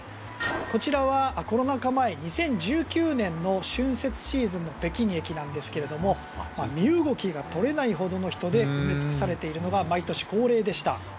こちらはコロナ禍前２０１９年の春節シーズンの北京駅なんですが身動きが取れないほどの人で埋め尽くされているのが毎年恒例でした。